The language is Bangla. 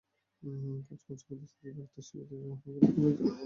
পাঁচ মৌসুমের মধ্যে দুইবার আর্থিক সুবিধা গ্রহণের খেলার জন্যে তাকে মনোনীত করে।